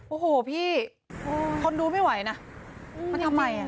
โอ้โฮพี่คนดูไม่ไหวนะว่าทำไม